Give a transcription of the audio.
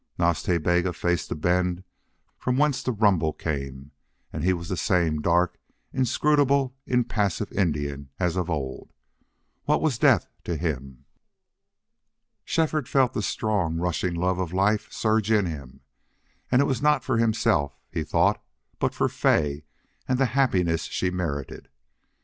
Nas Ta Bega faced the bend from whence that rumble came, and he was the same dark, inscrutable, impassive Indian as of old. What was death to him? Shefford felt the strong, rushing love of life surge in him, and it was not for himself he thought, but for Fay and the happiness she merited.